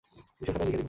বিশুর খাতায় লিখে দিব।